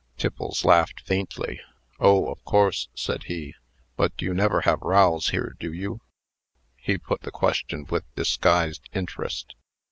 Tiffles laughed faintly. "Oh! of course," said he. "But you never have rows here, do you?" He put the question with disguised interest.